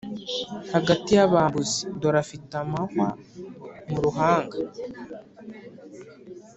hagati y'abambuzi? dore afite amahwa mu ruhanga :